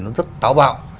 nó rất táo bạo